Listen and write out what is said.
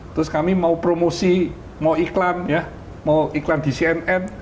terus kami mau promosi mau iklan ya mau iklan di cnn